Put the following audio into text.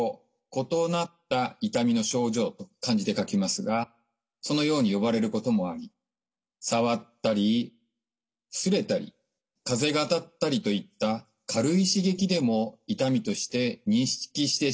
異なった痛みの症状と漢字で書きますがそのように呼ばれることもあり触ったり擦れたり風が当たったりといった軽い刺激でも痛みとして認識してしまう状態なんです。